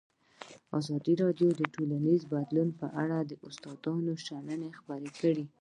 ازادي راډیو د ټولنیز بدلون په اړه د استادانو شننې خپرې کړي.